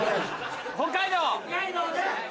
北海道！